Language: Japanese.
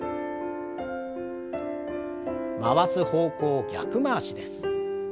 回す方向を逆回しです。